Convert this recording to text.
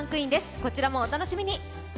こちらもお楽しみに。